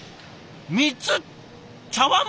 ３つ茶わん